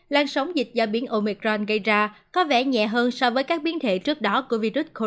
lan sóng dịch do biến omicron gây ra có vẻ nhẹ hơn so với các biến thể trước đó của virus corona